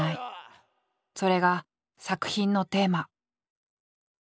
それが作品のテーマ。